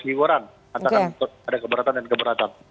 ada siwuran ada keberatan dan keberatan